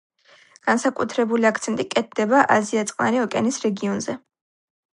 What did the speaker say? განსაკუთრებული აქცენტი კეთდება აზია-წყნარი ოკეანის რეგიონზე.